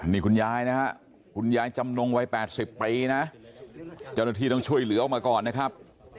นี่คุณยายนะฮะคุณยายจำนงวัย๘๐ปีนะเจ้าหน้าที่ต้องช่วยเหลือออกมาก่อนนะครับ